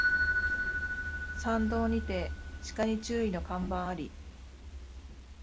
山道にて鹿に注意の看板あり